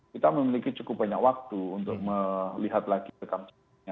kita memiliki cukup banyak waktu untuk melihat lagi rekamnya